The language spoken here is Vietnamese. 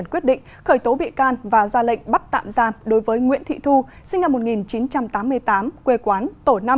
quyết định khởi tố bị can và ra lệnh bắt tạm giam đối với nguyễn thị thu sinh năm một nghìn chín trăm tám mươi tám quê quán tổ năm